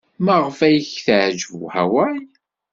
Maɣef ay k-teɛjeb Hawaii?